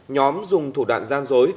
nhóm dùng thủ đoạn gian dối